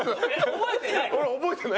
俺覚えてない。